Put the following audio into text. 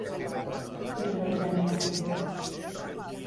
Quin agreujant hi ha?